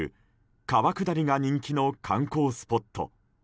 川下りが人気の観光スポット。